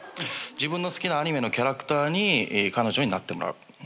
自分の好きなアニメのキャラクターに彼女になってもらう。